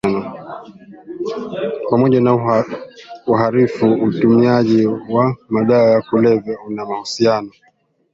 Pamoja na uharifu utumiaji wa madawa ya kulevya una uhusiano